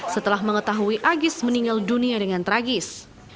setelah mengetahui agis meninggal dunia dengan tragis